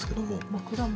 枕元？